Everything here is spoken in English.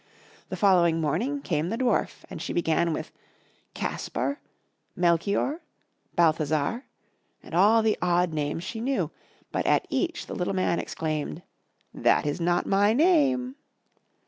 The following morning came the Dwarf, and she began with "Caspar," "Melchior," "Balthassar," and all the odd names she knew; but at each the little Man exclaimed, "That is not my name."